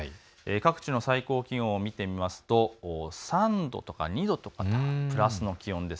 各地の最高気温を見てみますと３度とか２度とかプラスの気温です。